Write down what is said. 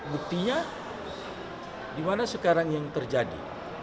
buktinya dimana sekarang yang terjadi